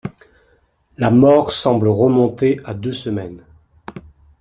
La mort semble remonter à deux semaines.